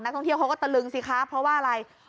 ท่องเที่ยวเขาก็ตะลึงสิคะเพราะว่าอะไร